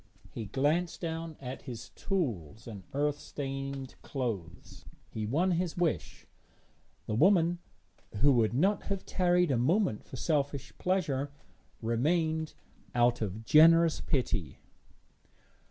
He glanced down at his tools and earth stained clothes. He won his wish; the woman, who would not have tarried a moment for selfish pleasure, remained out of generous pity.